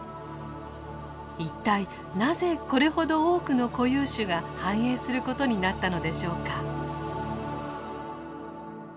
一体なぜこれほど多くの固有種が繁栄することになったのでしょうか？